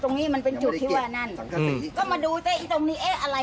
หุ่งเดี๋ยวผมจะรู้ก่อนนะมันสาเหตุจากอะไร